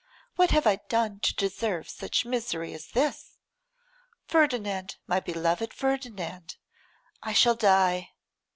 'What have I done to deserve such misery as this? Ferdinand, beloved Ferdinand, I shall die.